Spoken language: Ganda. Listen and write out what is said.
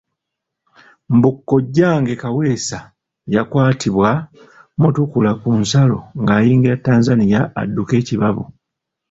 Mbu kkojjange Kaweesa yakwatibwa Mutukula ku nsalo ng'ayingira Tanzania adduke ekibabu.